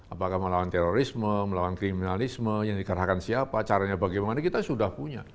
apakah melawan terorisme melawan kriminalisme yang dikerahkan siapa caranya bagaimana kita sudah punya